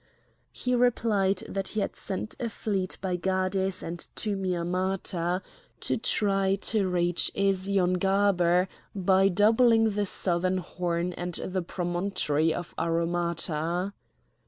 He replied that he had sent a fleet by Gades and Thymiamata to try to reach Eziongaber by doubling the Southern Horn and the promontory of Aromata.